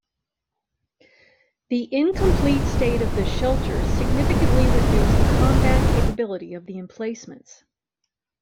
The incomplete state of the shelters significantly reduced the combat capability of the emplacements.